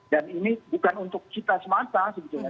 dan ini bukan untuk kita semata sebetulnya